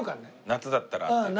夏だったらっていう感じ。